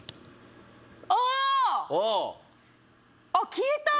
消えた？